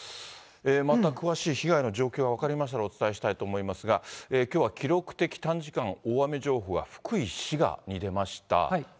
また詳しい被害の状況が分かりましたらお伝えしたいと思いますが、きょうは記録的短時間大雨情報が福井、滋賀に出ました。